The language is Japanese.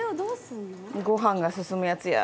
ご飯が進むやつや。